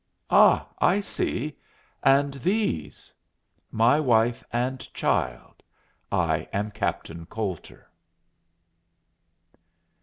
Ah, I see! And these?" "My wife and child. I am Captain Coulter."